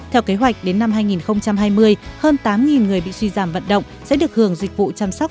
theo kế hoạch đến năm hai nghìn hai mươi hơn tám người bị suy giảm vận động sẽ được hưởng dịch vụ chăm sóc